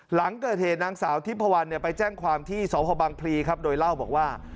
หลังเกิดเหตุนางสาวทิพพวันไปแจ้งความที่สพบังพลีครับโดยเล่าบอกว่า